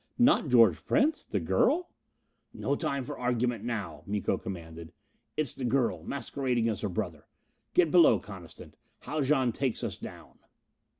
Not George Prince? The girl " "No time for argument now," Miko commanded. "It's the girl, masquerading as her brother. Get below, Coniston. Haljan takes us down."